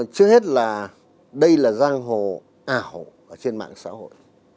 trước hết là đây là giang hồ ảo trên mạng xã hội